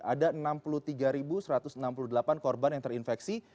ada enam puluh tiga satu ratus enam puluh delapan korban yang terinfeksi